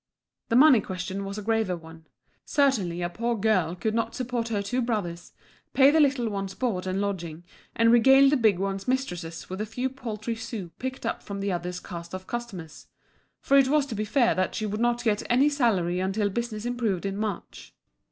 The money question was a graver one. Certainly a poor girl could not support her two brothers, pay the little one's board and lodging, and regale the big one's mistresses with the few paltry sous picked up from the others' cast off customers; for it was to be feared that she would not get any salary until business improved in March.